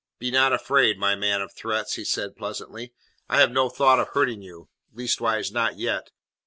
"Be not afraid, my man of threats," he said pleasantly. "I have no thought of hurting you leastways, not yet."